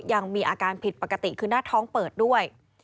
ยังมีอาการผิดปกติคือหน้าท้องเปิดด้วย